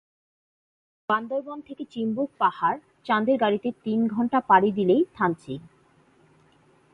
বান্দরবন থেকে চিম্বুক পাহাড় চান্দের গাড়িতে তিন ঘন্টা পাড়ি দিলেই থানচি।